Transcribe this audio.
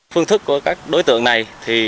phương thức của các đối tượng này